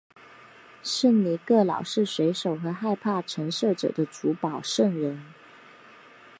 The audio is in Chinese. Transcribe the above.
圣尼各老是水手和害怕沉没者的主保圣人。